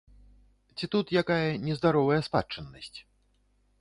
Ці тут якая нездаровая спадчыннасць?